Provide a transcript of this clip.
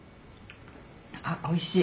あおいしい。